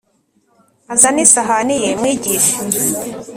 Azane isahani ye mwigishe: